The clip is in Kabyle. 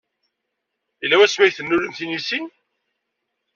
Yella wasmi ay tennulemt inisi?